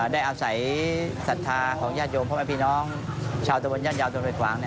ได้อาศัยศรัทธาของญาติโยมพ่อแม่พี่น้องชาวตะบนย่านยาวตะกวาง